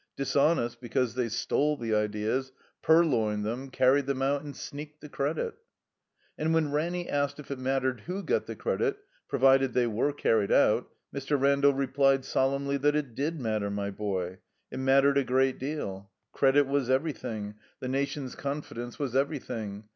Dis honest, because they stole the ideas, purloined *em, carried them out, and sneaked the credit. And when Ranny asked if it mattered who got the credit provided they were carried out, Mr. Randall replied solemnly that it did matter, my boy. It mattered a great deal. Credit was everything, the nation's confidence was everything.